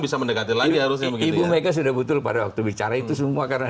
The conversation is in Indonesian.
bisa mendekati lagi harusnya ibu mega sudah betul pada waktu bicara itu semua karena